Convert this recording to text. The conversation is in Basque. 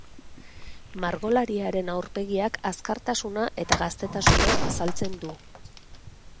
Margolariaren aurpegiak azkartasuna eta gaztetasuna azaltzen du.